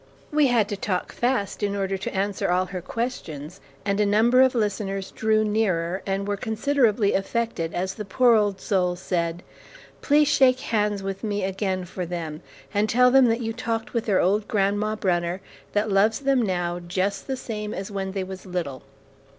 "We had to talk fast in order to answer all her questions, and a number of listeners drew nearer and were considerably affected as the poor old soul said, 'Please shake hands with me again for them, and tell them that you talked with their old Grandma Brunner, that loves them now just the same as when they was little.'